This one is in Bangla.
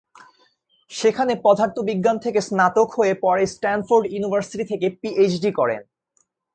সেখানে পদার্থবিজ্ঞান থেকে স্নাতক হয়ে পরে স্ট্যানফোর্ড ইউনিভার্সিটি থেকে পিএইচডি করেন।